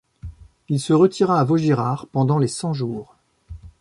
Il se retira à Vaugirard pendant les Cent-Jours.